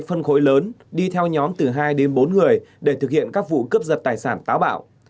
phân khối lớn đi theo nhóm từ hai đến bốn người để thực hiện các vụ cướp giật tài sản táo bạo